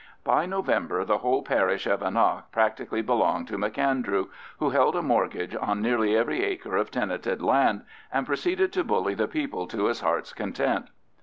By November the whole parish of Annagh practically belonged to M'Andrew, who held a mortgage on nearly every acre of tenanted land, and proceeded to bully the people to his heart's content.